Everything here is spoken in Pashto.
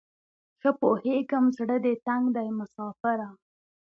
ښه پوهیږم زړه دې تنګ دی مساپره